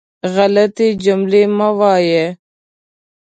غلطې جملې مه وایئ.